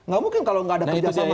gak mungkin kalau nggak ada kerjasama